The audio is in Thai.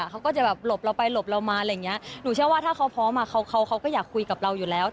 เขาก็จะแบบหลบเราไปหลบเรามาอะไรอย่างเงี้ยหนูเชื่อว่าถ้าเขาพร้อมเขาก็อยากคุยกับเราอยู่แล้ว